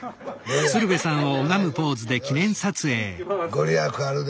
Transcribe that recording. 御利益あるで。